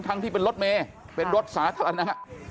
ที่เป็นรถเมย์เป็นรถสาธารณะ